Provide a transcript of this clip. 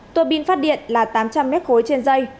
tuô bin phát điện là tám trăm linh m ba trên dây